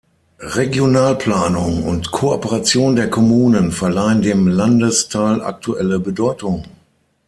Regionalplanung und Kooperationen der Kommunen verleihen dem Landesteil aktuelle Bedeutung.